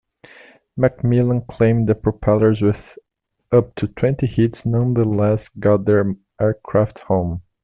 McMillan claimed that propellers with up to twenty hits nonetheless got their aircraft home.